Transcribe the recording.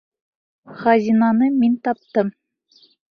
Хазинаны мин таптым!